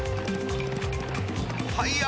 はいや！